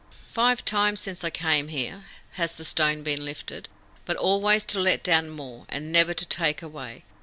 "Five times since I came here has the stone been lifted, but always to let down more, and never to take away.